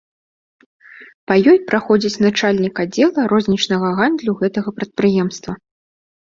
Па ёй праходзіць начальнік аддзела рознічнага гандлю гэтага прадпрыемства.